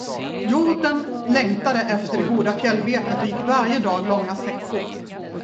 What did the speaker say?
Hjorden längtade efter det goda fjällbetet och gick varje dag långa sträckor.